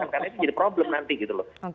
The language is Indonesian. karena itu jadi problem nanti gitu loh